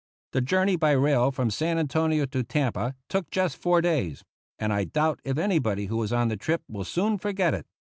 The journey by rail from San Antonio to Tampa took just four days, and I doubt if anybody who was on the trip will soon forget it.